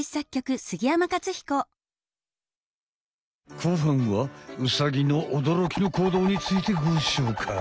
後半はウサギの驚きの行動についてごしょうかい。